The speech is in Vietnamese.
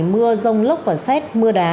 mưa rông lốc và xét mưa đá